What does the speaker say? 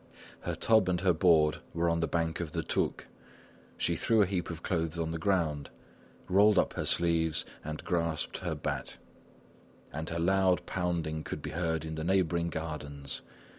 Her tub and her board were on the bank of the Toucques. She threw a heap of clothes on the ground, rolled up her sleeves and grasped her bat; and her loud pounding could be heard in the neighbouring gardens.